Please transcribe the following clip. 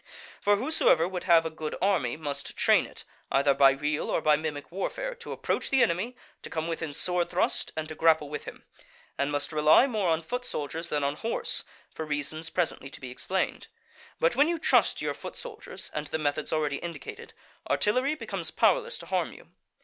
For whosoever would have a good army must train it, either by real or by mimic warfare, to approach the enemy, to come within sword thrust, and to grapple with him; and must rely more on foot soldiers than on horse, for reasons presently to be explained. But when you trust to your foot soldiers, and to the methods already indicated, artillery becomes powerless to harm you.